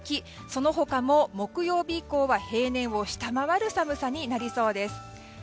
その他も木曜日以降は平年を下回る寒さになりそうです。